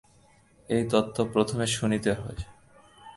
এই তত্ত্ব প্রথমে শুনিতে হয়।